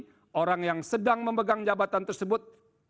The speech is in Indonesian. bagi orang yang sedang memegang jabatan tersebut